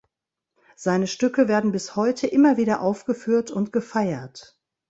Seine Stücke werden bis heute immer wieder aufgeführt und gefeiert.